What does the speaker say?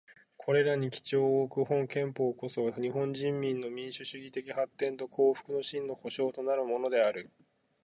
これらに基調をおく本憲法こそ、日本人民の民主主義的発展と幸福の真の保障となるものである。